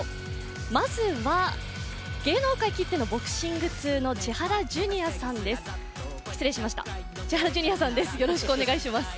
まずは、芸能界きってのボクシング通の千原ジュニアさんです。